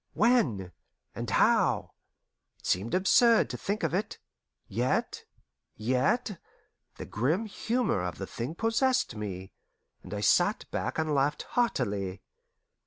When? And how? It seemed absurd to think of it. Yet yet The grim humour of the thing possessed me, and I sat back and laughed heartily.